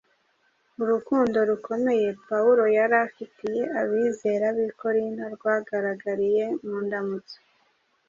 Urukundo rukomeye Pawulo yari afitiye abizera b’i Korinto rwagaragariye mu ndamutso